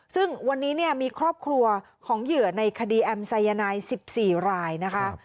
ซึ่งวันนี้เนี่ยมีครอบครัวของเหยื่อในคดีแอมสายนาย๑๔รายนะคะ